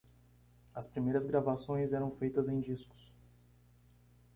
as primeiras gravações eram feitas em discos